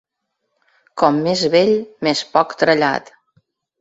Com més vell, més poc trellat.